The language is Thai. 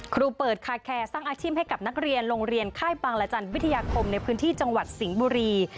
ครูเปิดคาแคร์สร้างอาชีพให้กับนักเรียนโรงเรียนค่ายบางละจันทร์วิทยาคมในพื้นที่จังหวัดสิงห์บุรี